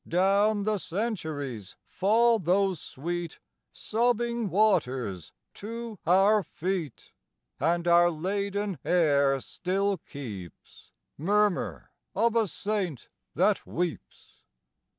Down the centuries fall those sweet Sobbing waters to our feet, And our laden air still keeps Murmur of a Saint that weeps.